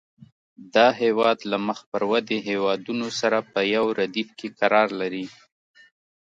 دا هېواد له مخ پر ودې هېوادونو سره په یو ردیف کې قرار لري.